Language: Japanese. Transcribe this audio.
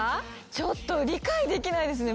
ちょっと理解できないですね